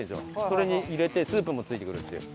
それに入れてスープも付いてくるっていう。